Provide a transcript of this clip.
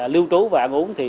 lưu trú và ăn uống